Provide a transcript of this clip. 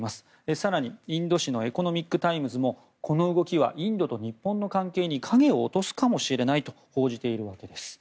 更に、インド紙のエコノミック・タイムズもこの動きはインドと日本の関係に影を落とすかもしれないと報じているわけです。